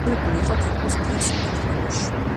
გავრცელებული იყო თითქმის მთელ საქართველოში.